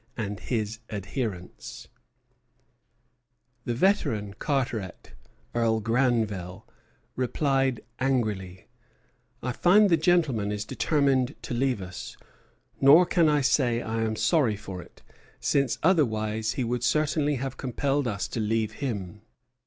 and his adherents. Beatson, II. 438. The veteran Carteret, Earl Granville, replied angrily: "I find the gentleman is determined to leave us; nor can I say I am sorry for it, since otherwise he would certainly have compelled us to leave him.